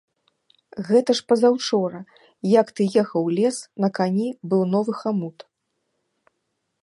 Гэта ж пазаўчора, як ты ехаў у лес, на кані быў новы хамут.